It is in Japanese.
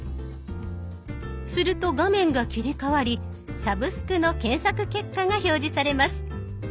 すると画面が切り替わり「サブスク」の検索結果が表示されます。